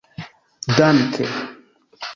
danke